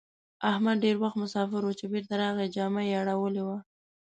احمد ډېر وخت مساپر وو؛ چې بېرته راغی جامه يې اړولې وه.